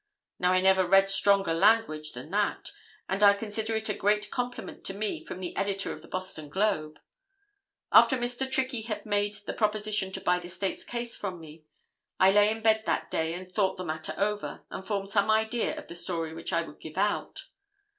Now, I never read stronger language than that, and I consider it a great compliment to me from the editor of the Boston Globe. After Mr. Trickey had made the proposition to buy the State's case from me, I lay in bed that day and thought the matter over, and formed some idea of the story which I would give out.